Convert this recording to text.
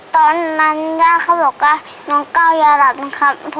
ตอนนั้นย่าเขาบอกว่าน้องก้าวยาหลับนะครับ